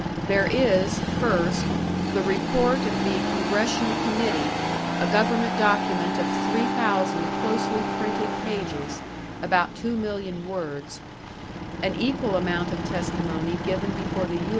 There is, first, the report of the Congressional Committee, a government document of three thousand closely printed pages, about two million words; an equal amount of testimony given before the U.